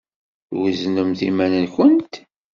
Tweznemt iman-nkent?